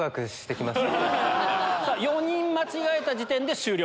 ４人間違えた時点で終了。